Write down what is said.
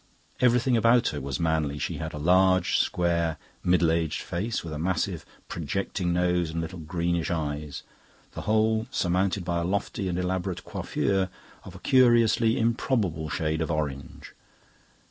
Everything about her was manly. She had a large, square, middle aged face, with a massive projecting nose and little greenish eyes, the whole surmounted by a lofty and elaborate coiffure of a curiously improbable shade of orange.